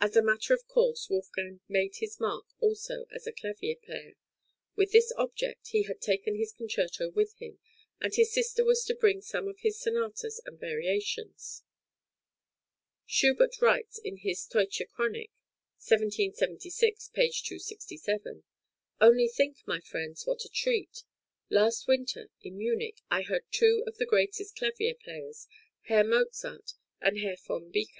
As a matter of course, Wolfgang made his mark also as a clavier player; with this object he had taken his concerto with him, and his sister was to bring some of his sonatas and variations. Schubart writes in his "Teutsche Chronik" (1776, p. 267): "Only think, my friends, what a treat! Last winter, in Munich, I heard two of the greatest clavier players, Herr Mozart and Herr v. Beecke.